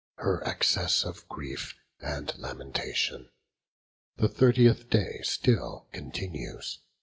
Her excess of grief and lamentation. The thirtieth day still continues.